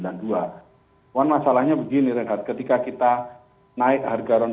nah masalahnya begini ketika kita naik harga pon sembilan dua